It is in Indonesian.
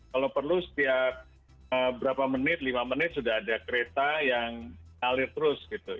kalau perlu setiap berapa menit lima menit sudah ada kereta yang ngalir terus gitu